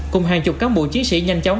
cùng hàng chục cán bộ chiến sĩ nhanh chóng